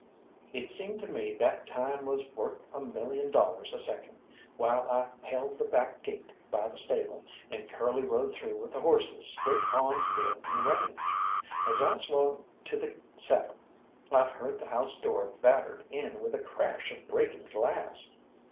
It seemed to me that time was worth a million dollars a second while I held the back gate by the stable, and Curly rode through with the horses straight on to the open range. As I swung to the saddle, I heard the house door battered in with a crash of breaking glass.